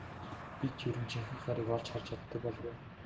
Бид ер нь жинхэнэ хайрыг олж харж чаддаг болов уу?